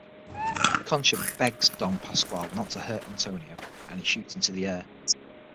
Concha begs Don Pasquale not to hurt Antonio, and he shoots into the air.